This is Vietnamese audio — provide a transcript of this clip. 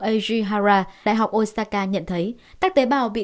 eiji hara đại học osaka nhận thấy các tế bào bị